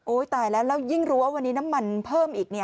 ตายแล้วแล้วยิ่งรู้ว่าวันนี้น้ำมันเพิ่มอีก